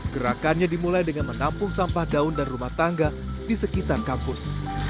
gerakannya dimulai dengan menampung sampah daun dan rumah tangga di sekitar kampus